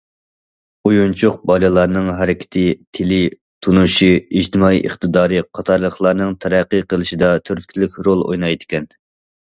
ئويۇنچۇق بالىلارنىڭ ھەرىكىتى، تىلى، تونۇشى، ئىجتىمائىي ئىقتىدارى قاتارلىقلارنىڭ تەرەققىي قىلىشىدا تۈرتكىلىك رول ئوينايدىكەن.